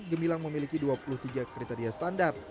gemilang memiliki dua puluh tiga kriteria standar